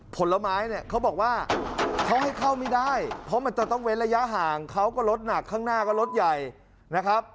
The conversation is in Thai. ผลไม้เนี่ยเขาบอกว่าเขาให้เข้าไม่ได้เพราะมันจะต้องเว้นระยะห่างเขาก็รถหนักข้างหน้าก็รถใหญ่นะครับ